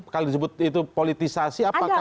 kalau disebut itu politisasi apakah